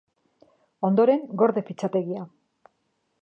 Ondoren, gorde fitxategia.